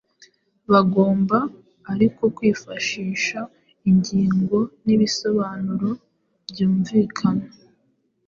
Bagomba ariko kwifashisha ingingo n’ibisobanuro byumvikana